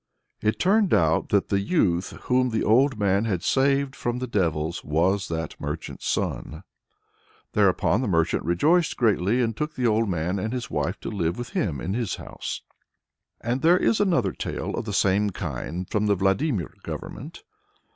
It turned out that the youth whom the old man had saved from the devils was that merchant's son. Thereupon the merchant rejoiced greatly, and took the old man and his wife to live with him in his house. And here is another tale of the same kind, from the Vladimir Government.